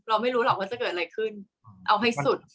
ไม่รู้หรอกว่าจะเกิดอะไรขึ้นเอาให้สุด